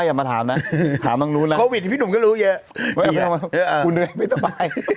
อย่ามาถามนะโควิดพี่หนุ่มก็รู้เยอะ